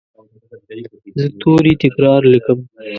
زه توري تکرار لیکم.